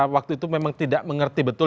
waktu itu memang tidak mengerti betul